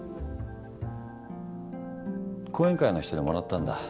後援会の人にもらったんだ。